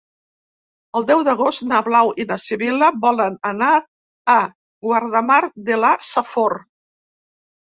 El deu d'agost na Blau i na Sibil·la volen anar a Guardamar de la Safor.